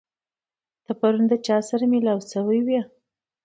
ته پرون د چا سره مېلاو شوی وې؟